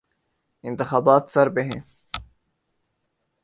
انتخابات سر پہ ہیں۔